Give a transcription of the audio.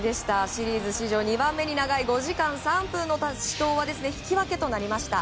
シリーズ史上２番目に長い５時間３分の死闘は引き分けとなりました。